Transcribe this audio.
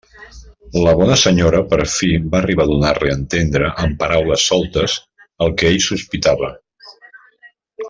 La bona senyora per fi va arribar a donar-li a entendre amb paraules soltes el que ell sospitava.